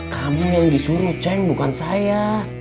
kamu yang disuruh ceng bukan saya